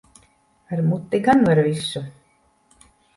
Ar muti gan var visu.